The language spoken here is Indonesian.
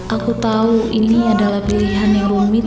aku tahu ini adalah pilihan yang rumit